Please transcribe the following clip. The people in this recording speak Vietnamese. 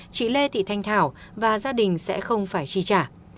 chị lê thị thanh thảo và gia đình sẽ không phải chi trả